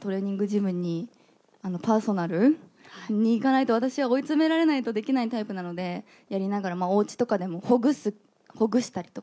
トレーニングジムに、パーソナルに行かないと、私は追い詰められないとできないタイプなので、やりながら、おうちとかでもほぐしたりとか、